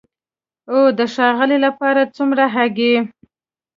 او د ښاغلي لپاره څومره هګۍ؟